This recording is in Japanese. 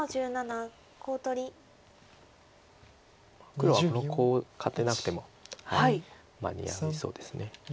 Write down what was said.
黒はこのコウを勝てなくても間に合いそうです。